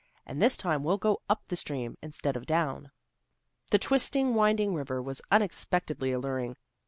And this time we'll go up stream instead of down." The twisting, winding river was unexpectedly alluring.